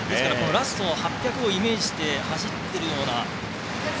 ラスト８００をイメージして走っているような。